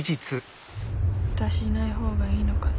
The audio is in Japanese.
私いないほうがいいのかな。